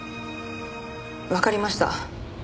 わかりました。